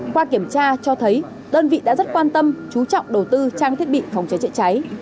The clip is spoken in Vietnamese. qua kiểm tra cho thấy đơn vị đã rất quan tâm chú trọng đầu tư trang thiết bị phòng cháy chữa cháy